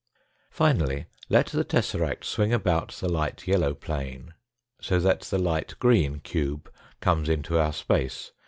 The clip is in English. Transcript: Finally, let the tesseract swing about the light yellow plane, so that the light green cube comes into our space.